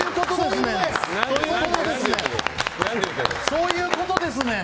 そういうことですねん！